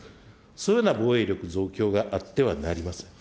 そういうような防衛力増強があってはなりません。